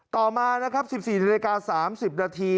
ต่อมา๑๔นาที๓๐นาที